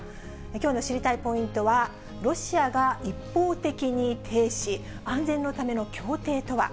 きょうの知りたいポイントは、ロシアが一方的に停止、安全のための協定とは。